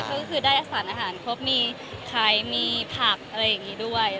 มีคลายพักอะไรอย่างนี้ด้วยแล้วเขาจะก็ดีด้วย